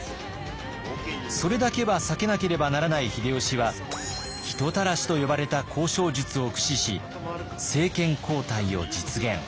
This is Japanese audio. それだけは避けなければならない秀吉は「人たらし」と呼ばれた交渉術を駆使し政権交代を実現。